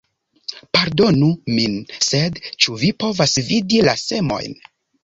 Pardonu min, sed, ĉu vi povas vidi la semojn?